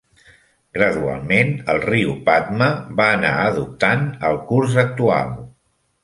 Gradualment, el riu Padma va anar adoptant el curs actual.